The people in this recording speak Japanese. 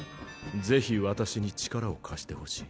ぜひ私に力を貸してほしい。